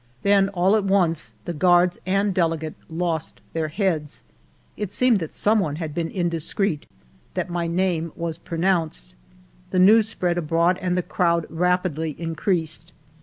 Then all at once the guards and delegate lost their heads. It seemed that some one had been indiscreet, that my name was pronounced. The news spread abroad, and the crowd rapidly increased.